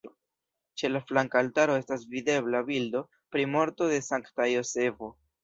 Ĉe la flanka altaro estas videbla bildo pri morto de Sankta Jozefo.